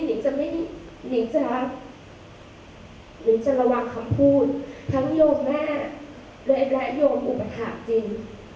แม่นี่คือที่สุดแล้วตอนปีนี้นิ้งจะระวังคำพูดทั้งโยงแม่และโยงอุปถาปจริง